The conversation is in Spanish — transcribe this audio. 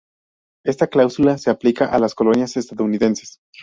Esta cláusula se aplica a las colonias estadounidenses.